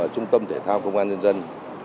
trung tâm thể thao công an nhân dân